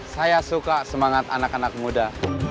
saya suka semangat anak anak muda